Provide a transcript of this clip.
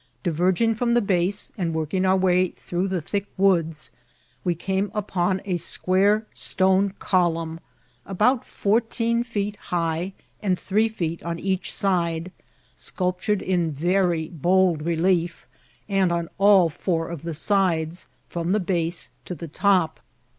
Di« ▼erging from the base, and working our way throi^;h the thick woods, we came upon a square stone c<^ unm, about fourteen feet high and three feet on each ttde, sculptured in very bold relief, and on all four of the sides, from the base to the top.